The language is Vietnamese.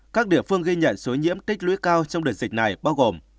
các địa phương ghi nhận số nhiễm tích lũy cao trong đợt dịch này bao gồm